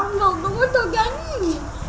không được không có chơi kính